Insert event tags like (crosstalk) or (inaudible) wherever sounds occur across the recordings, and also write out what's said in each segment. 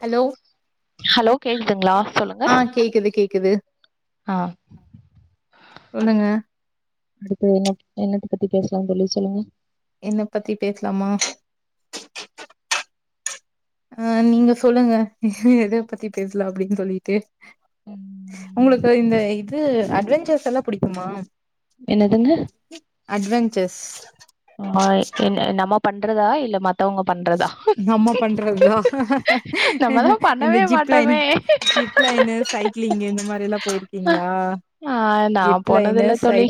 Hello hello கேக்குதுங்களா சொல்லுங்க ஆ கேக்குது கேக்குது ஆ சொல்லுங்க அடுத்து என்னப் என்னத்த பத்தி பேசலா தோழி சொல்லுங்க என்னபத்தி பேச்லாமா அ நீங்க சொல்லுங்க எத பத்தி பேச்லா அப்டின் சொல்லிட்டு ம், ஒங்ளுக்கு இந்த இது அட்வேஞ்ஞர்ஸெல்லா புடிக்குமா என்னதுங்க அட்வேஞ்ச்சர்ஸ் மை என்ன நம்ம பண்றதா இல்ல மத் நம்ம பண்றதுதா நம்மதா இந்த பண்ணவே மாட்டோமே ஜிப்லைன்னிங் ஜிப்லைனு சைக்ளிங்கு இந்த மாரில்லா பொயிருக்கீங்ளா அ நா போனதில்ல தோழி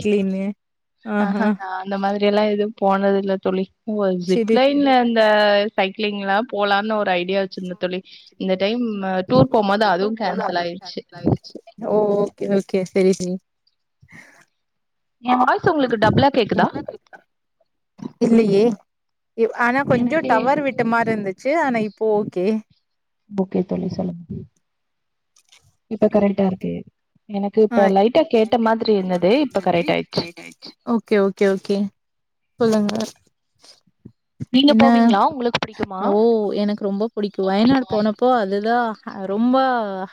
ஆஹா நா இந்த மாதிரிஎல்லா எது போனதில்ல தோழி ஜிப் செரி லைன்ல அந்த சைக் ளிங்ளா போலான் ஒரு ஐடியா வச்சுருந்தே தோழி இந்த டைம் அ டூர் போம்போது அது கேன்சலாயிருச்சு ஓ ஓகே ஓகே செரி செரி எ வாய்ஸ் ஒங்ளுக்கு டபுளா கேக்குதா இல்லியே ஆனா கொஞ்சோ எனக்கே டவர் விட்ட மாரி இருந்துச்சு ஆனா இப்ப ஓகே ஓகே தோழி சொல்லுங்க இப்ப கரெக்டாருக்கு எனக்கு ஆ இப்ப லைட்டா கேட்ட மாதிரி இருந்துது இப்ப கரெக்ட்டாயிருச்சு ஓகே ஓகே ஓகே சொல்லுங்க நீங்க என்ன போவீங்களா உங்களுக்கு புடிக்குமா ஓ எனக்கு ரொம்ப புடிக்கு வயநாடு போனப்ப அதுதா ரொம்ப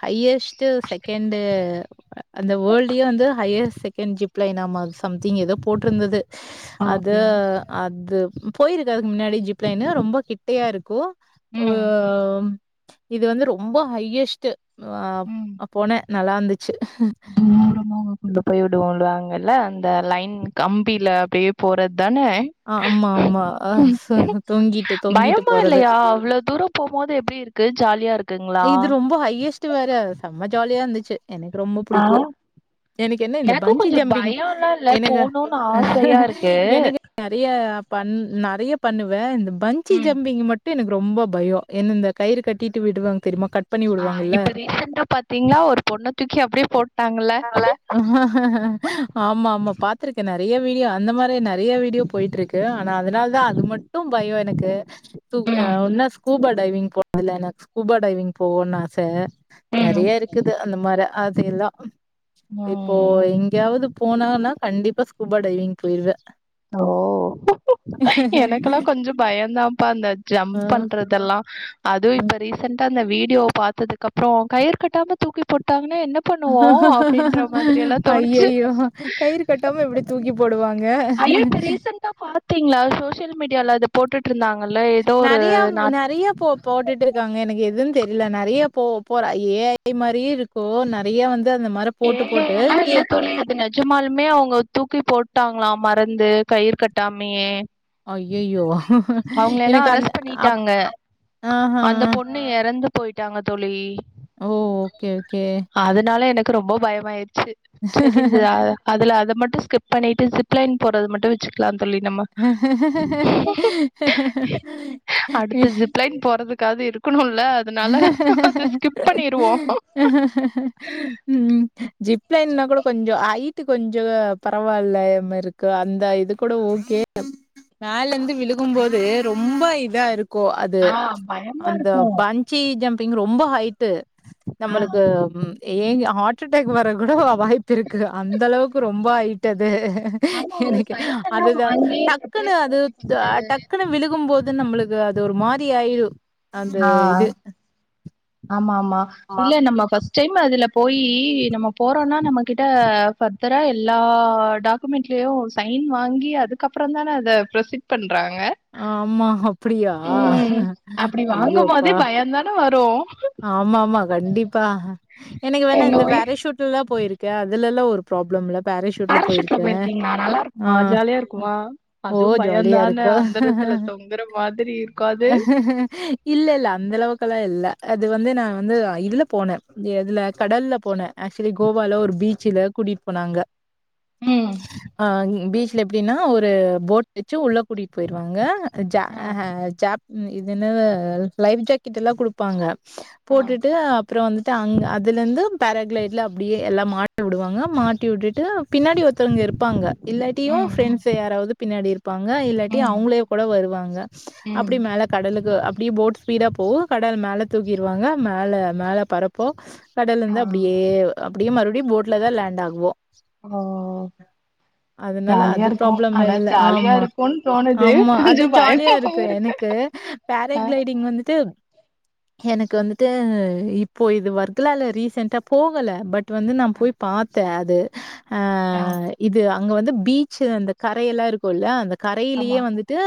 ஹையஸ்ட்டு செகண்டு அந்த வோல்டியே வந்து ஹையஸ் செகண்ட் ஜிப் லைனாமா சம்திங் ஏதோ போட்ருந்துது ஆ அது ஓகே அது பொயிருக்கே அதுக்கு முன்னாடி ஜிப் லைனு ரொம்ப கிட்டையாருக்கு ஓ ம் ம் இது வந்து ரொம்ப ஹையஸ்ட்டு அ ம் அ போன நல்லாந்துச்சு தூரமா அங்க கொண்டு போய் விடவோடுவாங்கல்ல அந்த லைன் கம்பில அப்டியே போறத்தானே ஆமா ஆமா அ ச தொங்கிட்டு தொங்கிட்டு பயமா போறது இல்லையா அவ்ளோ தூரோ போம்போது எப்டி இருக்கு ஜாலியா இருக் இது ரொம்ப ஹையஸ்ட் வேற செம்மா ஜாலியா இருந்துச்சு எனக்கு ரொம்ப ஆ புடிக்கு எனக்கு என்ன இந்த எனக்கும் பஞ்சி கொஞ்சம் ஜம்பிங் பயம்லா இல்ல என்னக்கு போணும்னு ஆசையா இருக்கு எனக்கு நறைய பண் பண்ணுவே நறைய பண்ணுவே இந்த பஞ்ஜிங் ம் ஜம்பிங் மட்டு எனக்கு ரொம்ப பயோ என்ன இந்த கயிறு கட்டிட்டு விடுவாங்க தெரியுமா கட் பண்ணி ஆ விடுவாங்கல்ல. இப்ப ரீசெண்டா பாத்தீங்கன்னா ஒரு பொண்ணு தூக்கி அப்டியே போட் நா வல்ல ஆமா ஆமா பாத்திருக்கே நறைய வீடியோ அந்த மாதிர நறைய வீடியோ போயிட்டு இருக்கு கு ஆனா அதனால தா அது மட்டு பயோ எனக்கு து ம் ஒன்னா ஸ்கூபா டைவிங் போனதில்ல எனக்கு ஸ்கூபா டைவிங் போகனுன்னு ஆச ம் நேறைய இருக்குது அந்த மாரி ஆசைகள்லா இப்போ ம் எங்கேயாவது போனான்னா கண்டிப்பா ஸ்கூபா டைவிங் போயிருவே ஓ எனக்கெல்லா கொஞ்சோ பயோதாம்பா இந்த அ, ஜம்ப் பண்றதெல்லா அதுவு ம். இப்போ ரீசண்டா இந்த வீடியோ பாத்ததுக்கு அப்றோ கயிற கட்டாம தூக்கி போட்டாங்கன்னா என்ன பண்ணுவோ அப்டின்ற மாதிரி எல்லா தோணுச்சு ஐயையோ கயிறு கட்டாம எப்டி தூக்கி போடுவாங்க ஐயோ இப்ப ரீசன்டா பாத்தீங்ளா சோசியல் மீடியால அத போட்டுட்டு இருந்தாங்கல்ல ஏதோ ஒரு நார்த் நறைய இப்போ போட்டுட்டு இருக்காங்க எனக்கு எதுன்னு தெரில நெறைய போ போ ஏ ஐ மாரியு இருக்கு நறைய வந்து அந்த மாரி ஏ போட்டு போட்டு ஐ லா கே இல்ல தோழி அது நெஜ நிஜசமாலுமே அவுங்க தூக்கி போட்டாங்களாம் மறந்து கயிறு கட்டாமையே அய்யய்யோ அவுங்கள எல்லா அரெஸ்ட் பண்ணிட்டாங்க ஆஹா! அந்த பொண் ணு எறந்து போயிட்டாங்க தோழி ஓ ஓகே ஓகே அதனால எனக்கு ரொம்ப பயமா ஆயிடுச்சி சேரி இந்த அதுல அது மட்டும் ஸ்கிப் பண்ணிட்டு ஜிப் லைன் போறது போறது மட்டு வெச்சிக்கலா தோழி நம்மோ ஹ ஜிப் லைன் போறதுக்காகது இருக்கணுல்ல ஹ ம் ஜிப் லைன்னா கூடோ கொஞ்சோ ஐட் ட்டு கொஞ்சோ பரவால்ல மார் இருக்கு அந்த இது கூட ஓகே மேல இருந்து விழுகும்போது ரொம்ப இத இருக்கு அது ஆ பயமா அந்த இருக்கும் பஞ் சி ஜம்பிங் ரொம்ப ஹைட்டு ஆ நம்மளுக்கு ஏங்க ஹார்ட் அட்டாக் வர கூட வாய்ப்பு இருக்கு அந்த அளவுக்கு ரொம்ப ஐயிட்டு அது ஆமா அவங்க எனக்கு சைன் எல்லாம் அதுதா வாங்கி டக்குனு அது ப்ரிப்பரேஷனுக்கு ஃபர்ஸ்ட் டக்குனு விழுகும் போது நம்மளுக் அது ஒரு மாரி ஆயிரு அந்த ஆ இது ஆமா ஆமா இல்ல நம் ஃபர்ஸ்ட் டைம் அதுல போயி நம்ம போறோம்னா நம்மகிட்ட ஃபர்தரா எல்லா டாக் டாக்குமெண்ட்லையு சைன் வாங்கி அதுக்கு அப்றோ தானே அத ப்ரோசீட் பண்றாங்க ஆமா அப்புடியா ம் ஐயோ அப்பா என்னு வரு ஆமா ஆமா கண்டிப்பா எனக்கு வேணா எங்க இந்த பாராசூட் ல எல்லா போயிருக்கே அதுலல்லா ஒரு ப்ராப்ளம் இல்ல பாராசூட் சூட்ல வீட்டுக்கார போயிருக்கே போயிருக்கீங்களா நல்லா ஆ இருக்குமா ஜாலியா இருக்குமா ஓ அதுவு ஜாலியா பயந்தான இருக்கு அந்தரத்துல தொங்குற மாதிரி இருக்கு அது இல்ல இல்ல அந்தளவுக்கெல்லா இல்ல அது வந்து நா வந்து இதுல போனே எதுல கடல்ல போன ஆக்சுவலி கோவால ஒரு பீச்சில கூட்டிட் போனாங்க ம் ஆ பீச்சில எப்டின்னா ஒரு போட் வெச்சி உள்ள கூட்டிகிட்டு போயிருவாங்க ஜ ஆ ஆ ஜாப் இது என்னது லைஃப் ஜாக்கெட்டுல்லா குடுப்பாங்க ஆ போட்டுட்டு அப்புறோ வந்துட்டு அங்க அதுலருந்து பேராக்ளேட்ல அப்டியே எல்லாம் மாட்டி உடுவாங்க மாட்டி உட்டுட்டு பின்னாடி ஒருத்தவங்க இருப்பாங்க இல்லாட்டியு ம் ம் ஃப்ரெண்ட்ஸ்ஸு யாராவது பின்னாடி இருப்பாங்க இல்லாட்டி ம் அவங்களே கூட வருவாங்க ம் அப்டி மேல கடலுக்கு அப்டியே போட் ஸ்பீடா போ கட கடல் மேலே தூக்கிருவாங்க மேல மேல பரப்போ கடல்ல ஆ இருந்து அப்டியே அப்டியே மறுபடியு போட்ல தா லேண்டாகுவோ ஓ அதனால ஜாலியா அது இருக்கு ப்ராப்ளம் ஆனா இல்ல ஜாலியா ஆமா இருக்குன் தோணுது கொஞ்சோ பயமாவு இருக்கு பேர ஆ கிளைடிங் வந்துட்டு எனக்கு வந்துட்டு இப்போ இது வர்க்கலால்ல ரீசன்ட்டா போகல பட் ட்டு வந்து நாம் ஆ போய் பாத்த அது அ ஆ இது அங்க வந்து பீச்சு அந்த கரையெல்லா இருக்குல்ல அந்த கரையிலயே ஆமா வந்துட்டு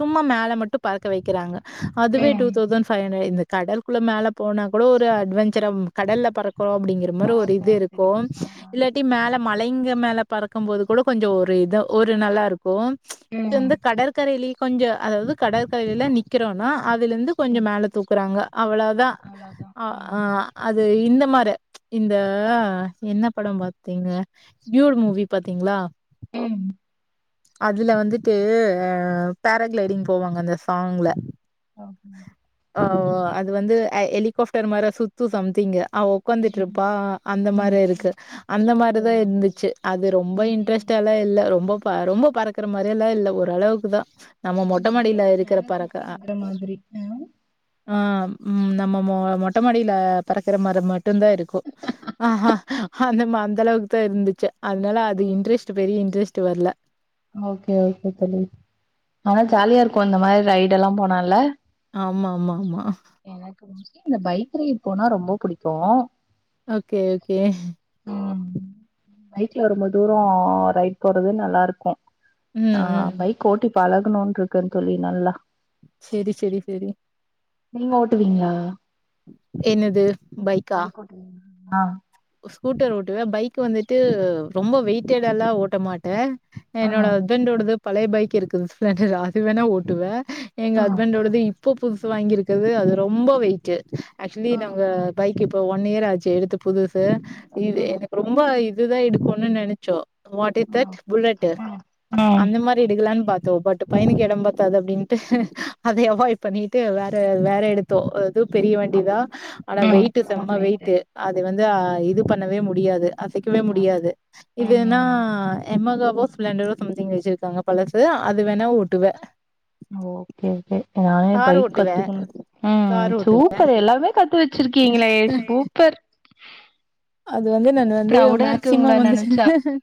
சும்மா மேல மட்டு பறக்க வைக்கிறாங்க அதுவே ம் டூ தௌசண்ட் னு இந்த கடல் குள்ள மேல போனா கூட ஒரு அட்வெஞ்சரம் கடல்ல பறக்குறோ அப்டிங்கிற் ஒரு மாரி ஒரு பாத்தோன் தெரியு இருக்கும் ஆ இல்லாட்டி மேல மலைங்க மேல பறக்கம் போது கூட கொஞ்சோ ஒரு இது ஒரு நல்லா இருக்கும் ம் இந்து கடற்கரையிலயே கொஞ்சோ அதாவது கடற்கரையில நிக்கறோன்னா அதுலருந்து கொஞ்சோ ம் மே போறாங்க அவ்வளோ தா அவ்ளோதா ஆ ஆ ம் அது இந்த மார இந்த என்ன படம் பாத்தீங்க டியூடு மூவி பாத்தீங்களா ம் அதுல வந்துட்டு பேராகிளைடிங் போவாங்க அந்த சாங்ல ஆம் ஆவா அது வந்து ஹை ஹெலிகாப்டர் மார சுத்து சம்திங்கு அவ் ஓ உக்காந்துட்ருப்பா அந்த மார ம் இருக்கு அந்த ஓ மாரிதா இருந்துச்சு அது ரொம்ப ம் ம் ம் இன்ட்ரெஸ்ட்டா எல்லா இல்ல ரொம்பப் ப ரொம்போ பறக்குற மாரியா எல்லா இல்ல ஒரளவுக்குதா நம்ம கொஞ்ச தூரோ மொட்டமாடியில மேல இருக்குற பறக்க தூக்கி அ விடுற மாதிரி ம் ஆ ம் நம்ம மொ மொட்ட மாடியில பறக்குற மர மட் மட்டுந்தா இருக்கு ஆ ஆ அந்த ம அந்த அளவுக்குதா இருந்துச்சு அதனால அது ஆ இன்ட்ரெஸ்ட் ட்டு பெரிய இன்ட்ரஸ்ட்டு வர்ல ஓகே ஓகே தோழி ஆனா ஜாலியா இருக்கு அந்த மாரி ரைடெல்லாம் போனால ஆமா ஆமா ஆமா எனக்கு மோஸ்ட்லி இந்த பைக் ரைடு போனா ரொம்போ புடிக்கு ஓகே ஓகே ம் பைக்ல ரொம்ப தூரோ ரைட் போறது நல்லாருக்கு ம், ஆ ம். பைக் ஓட்டி பழகணுன்ட்ருக்குங் தோழி நல்லா சேரி சேரி சேரி நீங்க ஓட்டுவீங்களா என்னது பைக்கா ம் ஆ ஸ்கூட்டர் ஓட்டுவ பைக் வந்துட்டு ரொம்போ வெயிட்டட எல்லா ஓட்ட மாட்ட என்னோட ம் ஹஸ்பண்டோடது பழைய பைக் இருக்குது ஸ்பிளெண்டரா அது வேணா ஓட்டுவ எங்க ம் ஹஸ்பண்டோடது இம் இப்போ புதுசு வாங்கிருக்கறது அது ரொம்போ வெயிட்டு ஏக்சுலி ம் நாங்க பைக் இப்போ ஒன் இயர் ஆச்சு எடுத்து புதுஸ் இது எனக் ரொம்ப இதுதா எடுக்குனு நெனச்சோ வாட் இஸ் தட் புல்லட்டு ம் அந்த மாதரி எடுக்கலான் பாத்தோ பட் பையனுக்கு இடம் பாத்தாது அப்டின்னுட்டு அதை அவாய்ட் பண்ணிட்டு வேற வேற எடுத்தோ இதூ பெரிய வண்டிதா அது ஆனா ம் வெயிட் செம்ம வெயிட்டு அது வந்து் இது பண்ணவே முடியாது அசைக்கவே முடியாது இதுன்னா ம் எமகாவோ ஸ்பளெண்டரோ சம்திங் வெச்சிருக்காங்க பழசு அது வேணா ஓட்டுவே ஓகே ஓகே நானே கார் பைக் ஓட்டுவே கத்துக்கணு ம் கார் ஓட்டுவே சூப்பர் எல்லாமே கத்து வெச்சிருக்கீங்ளே சூப்பர் அது வந்து நான் வந்து ப்ரௌடா இருக்கு உங்கள மேக்சிமம் வந்து நெனச்சா மேக்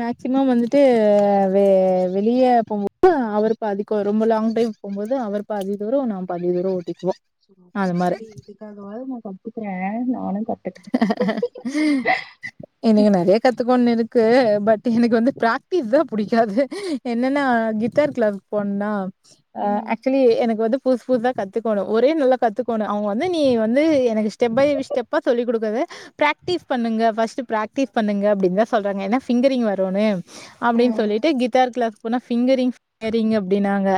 மேக்சிமம் வந்துட்டு வெ வெளியே போகும்போது அவருப்பாதிதூரோ ரொம்ப லாங் ட்ரைவ் போம்போது அவர் பாதி தூரோ நா பாதி தூரோ ஓட்டிக்வோ ப்ப சொல்லி இதுக்காகவாது நா கத்துக்கறே நானு கத் என்னங்க நெறைய கத்துக்கோண்னு இருக்கு பட் எனக் வந்து பிராடிக்டிஸ் தா புடிக்காது என்னன்னா கிட்டார் க்ளப் போண்ணணா ம் ஆக்சுவலி எனக் வந்து புதுசு புதுசா கத்துக்கோணு ஒரே நால்ல கத்துக்கோணு அவூங்க வந்து நீ வந்து எனக்கு ஸ்டெப் பை ஸ்டப் பா சொல்லி் கொடுக்கது ப்ராக்டிஸ் பண்ணுங்க ஃபஸ்ட் ப்ராக்டிஸ் பண்ணுங்க அப்டின் தா சொல்றாங்க எஏனா பிங்கரிங் வரும்னு அப்டின் ம் சொல்லிட்டு கிட்டார் க்ளாஸ் போனா பிங்கரிங்பிங்கரிங் அப்டின்னாங்க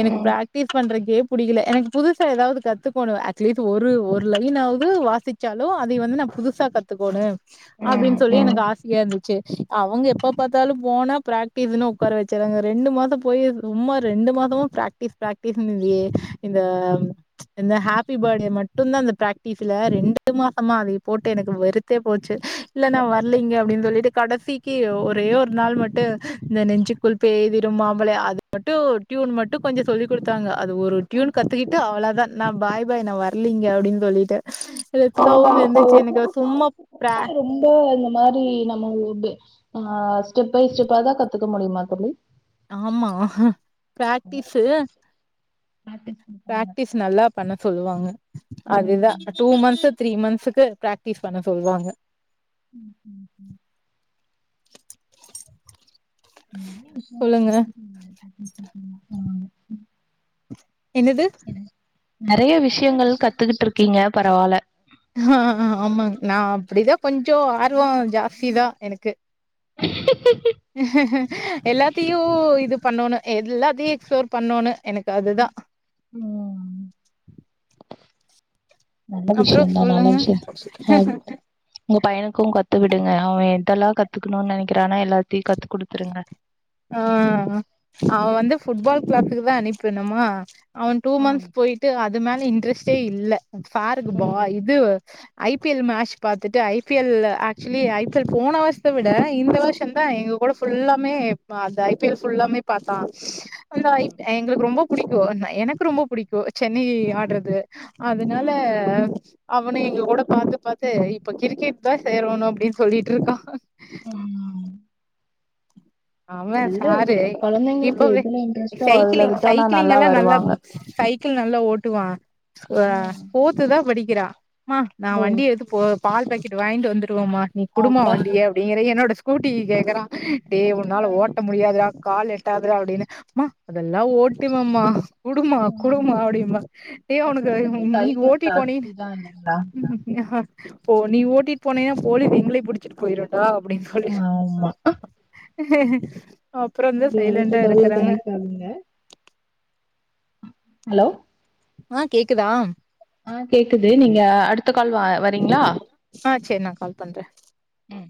எனக்கு ம் ப்ராக்டிஸ் பண்றக்கே புடிக்கல எனக் புதுசா ஏதாவது கத்துக்கோணு அட்லீ்ட்ஸ் ஒரு ஒரு லைன்னாவது வாசி ச்சாலோ அதை வந்து நா புதுசா கத்துக்கோணு ம் அப்டின்னு சொல்லி ம் எனக் ஆசையா இருந்துச்சு அவங்க எப்ப பாத்தாலு போனா ப்ராக்டிஸ்ன்னு உட்கார வெச்சர்றாங்க ரெண்டு மாச போயி சும்மா ரெண்டு மாசமா ப்ராக் ப்ராக்டிஸ் ப்ராக்டிஸ்ன்னு இதையே இந்த இந்த ஹாப்பி பேத்டே மட்டுந்தா இந்த பிராக்டிஸ்ல ரெண்டு மாசமா அதை போட்டு எனக்கு வெருத்தே போச்சு இல்ல நா வர்லீங்க அப்டின் சொல்லிட்டு கடைசிக்கு ஒரே ஒரு நாள் மட்டு இந்த நெஞ்சுக்குள் பெய்திரும்மாமள அது மட்டு டியூன் மட்டு கொஞ்ச சொல்லி குடுத்தாங்க அது ஒரு ம் டியூன் கத்துக்கிட்டு அவ்ளதா நா பாய் பாய் நா வர்லீங்க அப்டின் சொல்லிட்டே பிரா (inaudible) ரொம்ப இந்த மாரி நம்ம ஆ ஸ்டெப் பை ஸ்டெப்பா தா கத்துக்க முடியுமா தோழி ஆமா ப்ராக்டிஸ்சு பிராக்டிஸ் குடுப்பாங்க ப்ராக்டிஸ் நல்லா பண்ண சொல்வாங்க ம் அதுதா டூ மந்த்ஸூ த்ரீ மந்த்ஸ்கு ப்ராக்டிஸ் பண்ண சொல்வாங்க ம் ம் (inaudible) சொல்லுங்க என்னது நெறைய விஷயங்கள் கத்துக்கிட்டிருக்கீங்க பரவால ஆ ஆ ஆமாங்க நா அப்டிதா கொஞ்சோ ஆர்வோ ஜாஸ்தி தா எனக்கு எல்லாத்தையு இது பண்ணோணு எல்லாத்தையு எக்ஸ்ப்ளோர் பண்ணோனு எனக்கு அதுதா ம் நல்ல அப்றோ விஷ்யந்தா நல்ல சொல்லுங்க விஷ்யந்தா ஆ உங் பையனுக்கு கத்து விடுங்க அவன் எதெல்லா கத்துக்ணுனு நெனைக்கிறானோ எல்லாத்தையு கத்து குடுத்துருங்க ஆ அவ வந்து புட்ஃபால் ப்ளாக்குக்கு தா அனுப்பிட்னுமா அவன் டூ ம் மந்த்ஸ் போயிட்டு அது மேல இன்ட்ரெஸ்ட்டே இல்ல பாருக்கு பா ம் இது ஐ பி எல் மேட்ச் பாத்துட்டு I P L actually I P L போன வருஷத்த விட இந்த வருஷோந்தா எங்க கூட ஃபுல்லாமே இப்ப அந்த ஐ பி எல் ஃபுல்லாமே பாத்தா அந்த ஐ ம் எங்களுக்கு ரொம்பப் புடிக்கு எனக்கு ரொம்ப புடிக்கு சென்னை ஆட்றது அதுனால ம் அவனு எங்க கூட பாத்து பாத்து இப்ப கிரிக்கெட் தா சேரணு அப்டின் சொல்லிட்ருக்கா ம் அவே எதுல சாரு கொழந்தைங்களுக்கு இப்போவே எதுல இன்ட்ரெஸ்ட்டோ அதுல சைக்கிளிங் விட்டோனா சைக்கிளிங் எல்லா நல்லா வருவாங்க சை க்கிள் நல்லா ஓட்டுவா அ ம் ஃபோர்த்துதா படிக்கிறா மா நா ஓ வண்டிய எடுத் போ பால் பாக்கெட் வாங்கிட்டு வந்துருவம்மா நீ குடும்மா அப்பா வண்டிய டிங்கிற என்னோட ஸ்கூட்டி கேக்குறா டே ஒன்னால ஓட்ட ட்ட முடியாதுடா கால் எட்டாதுடா அப்டின்னு மா அம்மா அதெல்லா ஓட்டுவம்மா குடுமா ம் குடுமா அப்டிம்பா ஏ ஒனக்கு நீ ஓட்டிட் போனினா அதுங் தா ஓ நீ ஓட்டிட்டு போனின்னா போலீஸ் எங்களே புடிச்சிட்டு போயிருடா அப்டின் சொல்லிட் ஆமா அப்பறந்தா சைலண்டா இருக்குறாங்க அங்க ஹலோ ஆ கேக்குதா ஆ கேக்குது நீங்க அடுத்த கால் வ வரீங்ளா ஆ சேர் நா கால் பண்றே ம்